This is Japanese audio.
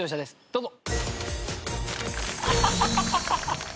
どうぞ。